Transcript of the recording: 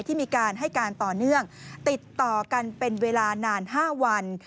ที่มีการให้การต่อเนื่องติดต่อกันเป็นเวลานาน๕วัน